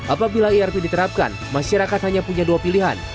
apabila irp diterapkan masyarakat hanya punya dua pilihan